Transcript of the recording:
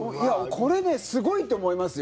これねすごいと思いますよ。